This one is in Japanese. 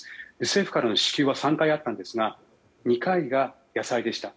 政府からの支給は３回あったんですが２回が野菜でした。